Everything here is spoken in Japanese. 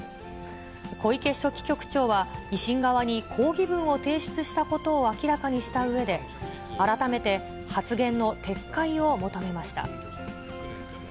小池書記局長は維新側に抗議文を提出したことを明らかにしたうえで、改めて発言の撤回を求めました。